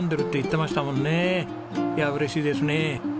いや嬉しいですね。